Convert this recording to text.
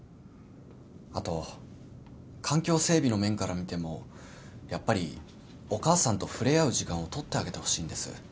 あと環境整備の面から見てもやっぱりお母さんと触れ合う時間をとってあげてほしいんです。